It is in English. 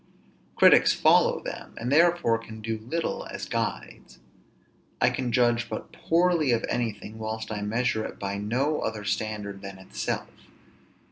Critics follow them, and therefore can do little as guides. I can judge but poorly of anything, whilst I measure it by no other standard than itself.